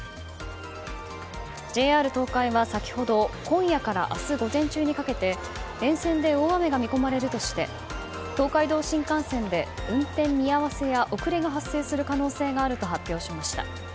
ＪＲ東海は先ほど今夜から明日午前中にかけて沿線で大雨が見込まれるとして東海道新幹線で運転見合わせや遅れが発生する可能性があると発表しました。